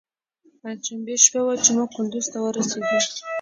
پنجشنبې شپه وه چې موږ کندوز ته ورسېدو.